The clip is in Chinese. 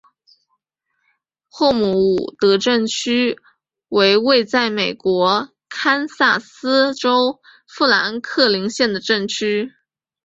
霍姆伍德镇区为位在美国堪萨斯州富兰克林县的镇区。